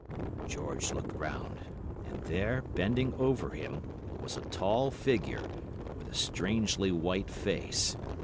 "George looked round—and there, bending over him, was a tall figure, with a strangely white face.